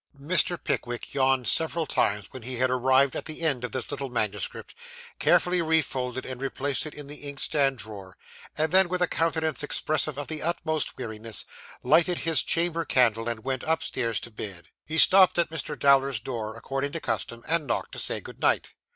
Mr. Pickwick yawned several times when he had arrived at the end of this little manuscript, carefully refolded, and replaced it in the inkstand drawer, and then, with a countenance expressive of the utmost weariness, lighted his chamber candle, and went upstairs to bed. He stopped at Mr. Dowler's door, according to custom, and knocked to say good night.